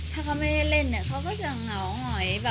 ถ้าเขาไม่เล่นเขาก็จะเหงาหอย